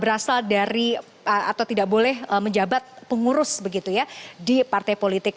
berasal dari atau tidak boleh menjabat pengurus begitu ya di partai politik